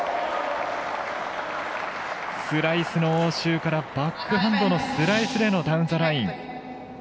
スライスの応酬からバックハンドのスライスでのダウンザライン。